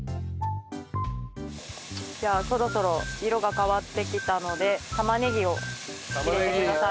じゃあそろそろ色が変わってきたので玉ねぎを入れてください。